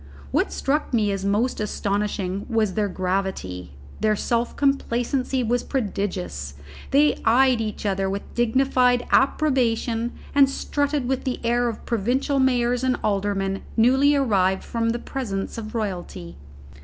What struck me as most astonishing was their gravity. Their self complacency was prodigious; they eyed each other with dignified approbation, and strutted with the air of provincial mayors and aldermen newly arrived from the presence of royalty.